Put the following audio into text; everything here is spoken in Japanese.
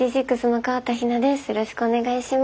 よろしくお願いします。